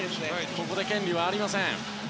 ここで権利はありません。